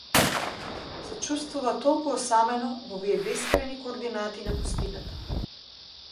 Се чувствува толку осамено во овие бескрајни координати на пустината.